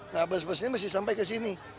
nah bus busnya mesti sampai ke sini